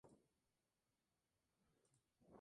Soy yo, Margaret.